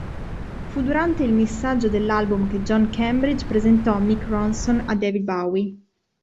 Fu durante il missaggio dell'album che John Cambridge presentò Mick Ronson a David Bowie.